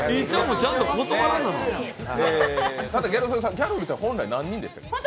ギャルルって本来何人だっけ？